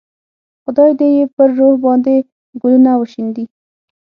خدای دې یې پر روح باندې ګلونه وشیندي.